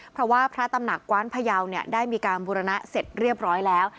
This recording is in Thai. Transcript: เพราะว่าพระตำหนักกว้านพยาวได้มีการบุรณะเสร็จเรียบร้อยแล้ว